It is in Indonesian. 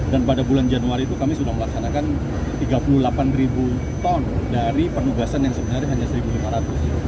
dan pada bulan januari itu kami sudah melaksanakan tiga puluh delapan ton dari penugasan yang sebenarnya hanya satu lima ratus